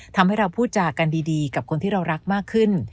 ทำให้เราพูดจากันดีกับคนที่เรารักมากขึ้น